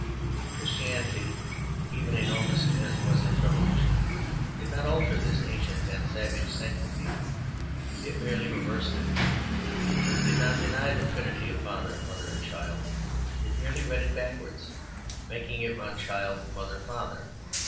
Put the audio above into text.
Christianity, even enormous as was its revolution, did not alter this ancient and savage sanctity; it merely reversed it. It did not deny the trinity of father, mother, and child. It merely read it backwards, making it run child, mother, father.